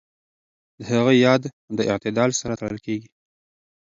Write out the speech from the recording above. د هغه ياد د اعتدال سره تړل کېږي.